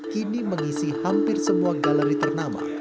kini mengisi hampir semua galeri ternama